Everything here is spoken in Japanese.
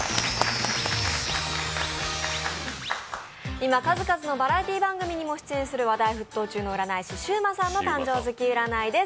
今、数々のバラエティー番組にも出演する話題沸騰中の占い師、シウマさんの誕生月占いです。